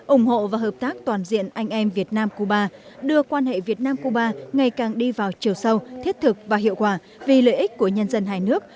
ủng hộ và hợp tác toàn diện anh em việt nam cuba đưa quan hệ việt nam cuba ngày càng đi vào chiều sâu thiết thực và hiệu quả vì lợi ích của nhân dân hai nước